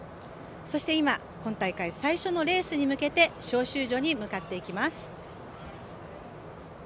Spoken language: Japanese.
そして、今今大会、最初のレースに向けて招集所に向かっていきます。